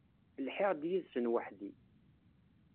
Lhiɣ-d yid-sen weḥdi.